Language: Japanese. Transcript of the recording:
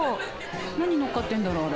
何のっかってんだろうあれ。